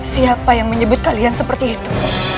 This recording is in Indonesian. siapa yang menyebut kalian seperti itu